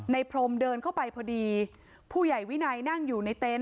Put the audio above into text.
พรมเดินเข้าไปพอดีผู้ใหญ่วินัยนั่งอยู่ในเต็นต